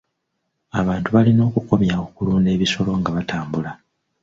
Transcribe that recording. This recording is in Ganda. Abantu balina okukomya okulunda ebisolo nga batambula.